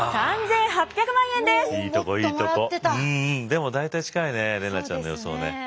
でも大体近いね怜奈ちゃんの予想ね。